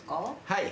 はい。